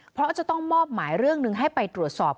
เพราะจะต้องมอบหมายเรื่องหนึ่งให้ไปตรวจสอบ